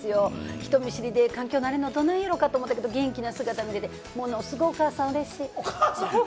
人見知りで環境に慣れるのどないやろか？と思ったけれども元気な姿見れて、ものすごいお母さん嬉しい。